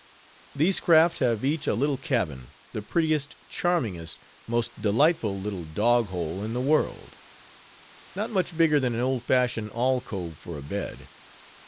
These craft have each a little cabin, the prettiest, charmingest, most delightful little dog hole in the world; not much bigger than an old fashioned alcove for a bed.